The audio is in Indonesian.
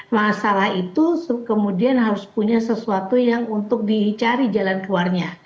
masalah itu kemudian harus punya sesuatu yang untuk dicari jalan keluarnya